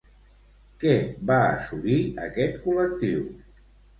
Què va assolir aquest col·lectiu?